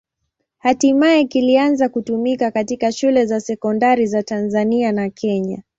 Hatimaye kilianza kutumika katika shule za sekondari za Tanzania na Kenya.